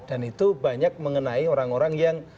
dan itu banyak mengenai orang orang yang